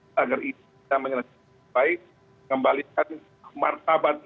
kembalikan martabat idi sendiri sebagai organisasi tersebut